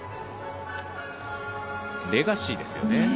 レガシーですよね。